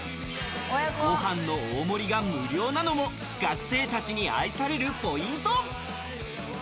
ご飯の大盛りが無料なのも学生たちに愛されるポイント。